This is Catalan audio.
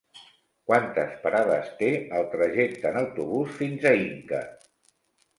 Quantes parades té el trajecte en autobús fins a Inca?